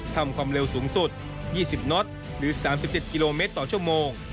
ความเร็วสูงสุด๒๐น็อตหรือ๓๗กิโลเมตรต่อชั่วโมง